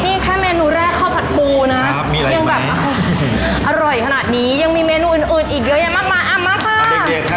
นี่แค่เมนูแรกข้าวผัดปูนะยังแบบอร่อยขนาดนี้ยังมีเมนูอื่นอีกเยอะแยะมากมายมาค่ะ